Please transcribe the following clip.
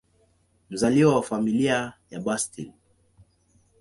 Mzaliwa wa Familia ya Bustill.